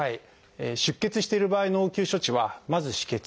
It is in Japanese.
出血している場合の応急処置はまず「止血」。